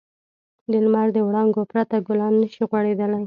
د لمر د وړانګو پرته ګلان نه شي غوړېدلی.